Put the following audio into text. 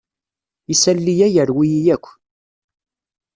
Isali-a yerwi-yi akk.